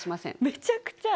めちゃくちゃ。